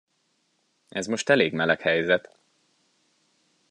Ez most elég meleg helyzet!